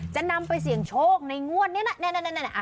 จะนำไปเสี่ยงโชคในงวดนี้